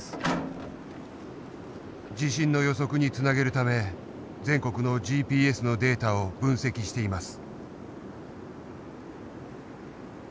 地震の予測につなげるため全国のＧＰＳのデータを分析しています。